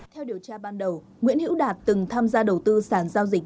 theo điều tra ban đầu nguyễn hữu đạt từng tham gia đầu tư sản giao dịch